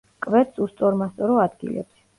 კვეთს უსწორმასწორო ადგილებს.